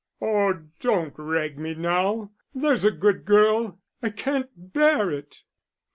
"Oh, don't rag me now, there's a good girl. I can't bear it."